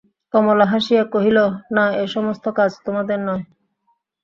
কমলা হাসিয়া কহিল, না, এ-সমস্ত কাজ তোমাদের নয়।